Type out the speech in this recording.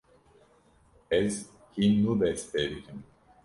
Ez hîn nû dest pê dikim.